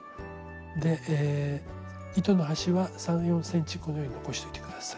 で糸の端は３４ｃｍこのように残しといて下さい。